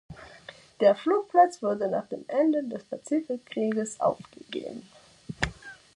Der Flugplatz wurde nach dem Ende des Pazifikkrieges aufgegeben.